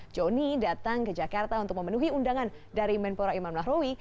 joni datang ke jakarta untuk memenuhi undangan dari menpora imam nahrawi